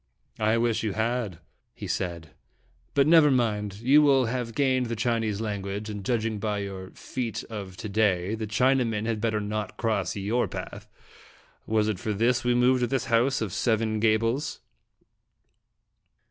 " I wish you had," he said; "but never mind. You will have gained the Chinese lan guage, and, judging by your feat of to day, Dramatic in JUg UDestins. in the Chinamen had better not cross your path. Was it for this we moved to this house of seven gabbles